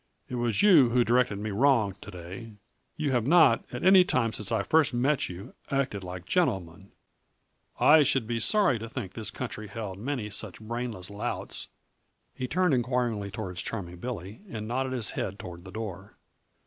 It was you who directed me wrong, to day. You have not, at any time since I first met you, acted like gentlemen; I should be sorry to think this country held many such brainless louts." He turned inquiringly toward Charming Billy and nodded his head toward the door.